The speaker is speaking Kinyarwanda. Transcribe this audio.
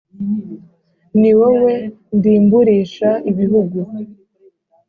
ni wowe ndimburisha ibihugu